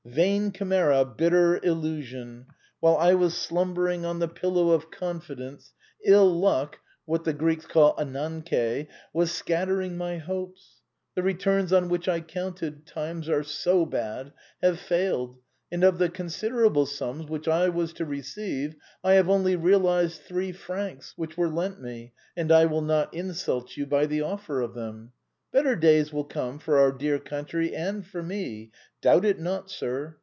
Vain chimera, bitter illusion ! While I was slumbering on the pillow of confidence, ill luck — what the Greeks call ananJcé — was scattering my hopes. The returns on which I counted — times are so bad !— have failed, and of the considerable sums which I was to receive I have only realized three francs, which were lent me, and I will not insult you by the offer of them. Better days will come for our dear country and for me. Doubt it not, sir!